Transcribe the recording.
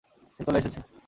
সে চলে এসেছে।